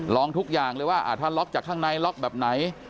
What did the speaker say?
ทุกอย่างเลยว่าถ้าล็อกจากข้างในล็อกแบบไหน